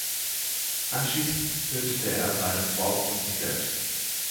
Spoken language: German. Anschließend tötet er seine Frau und sich selbst.